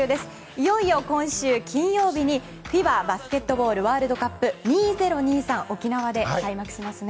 いよいよ今週金曜日にＦＩＢＡバスケットボールワールドカップ２０２３沖縄で開幕しますね。